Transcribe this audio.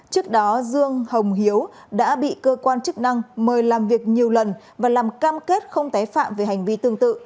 trước đó dương hồng hiếu đã bị cơ quan chức năng mời làm việc nhiều lần và làm cam kết không tái phạm về hành vi tương tự